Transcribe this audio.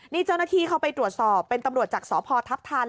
นี่เจ้าหน้าที่เข้าไปตรวจสอบเป็นตำรวจจากสพทัพทัน